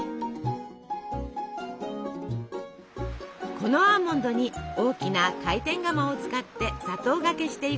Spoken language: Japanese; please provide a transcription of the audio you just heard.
このアーモンドに大きな回転釜を使って砂糖がけしていくのです。